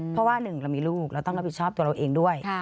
เพราะว่าหนึ่งเรามีลูกเราต้องรับผิดชอบตัวเราเองด้วย